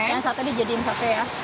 yang satu dijadiin satu ya